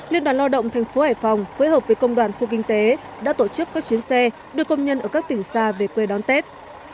liên đoàn lao động tp hải phòng phối hợp với công đoàn khu kinh tế đã tổ chức các chuyến xe đưa công nhân ở các tỉnh xa về quê đón tết